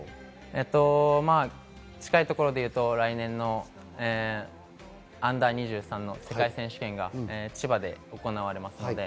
近いところでいうと来年のアンダー２３の世界選手権が千葉で行われます。